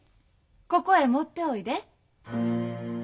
ここへ持っておいで。